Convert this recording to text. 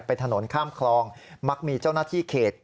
เป็นถนนข้ามคลองมักมีเจ้าหน้าที่เขต